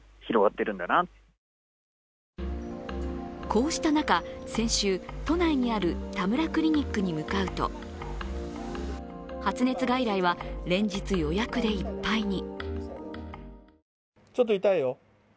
こうした中、先週、都内にあるたむらクリニックに向かうと、発熱外来は連日予約でいっぱいに。